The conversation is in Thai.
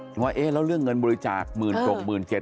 อืมว่าเอ๊ะแล้วเรื่องเงินบริจาค๑๑๐๐๐๑๗๐๐๐บาท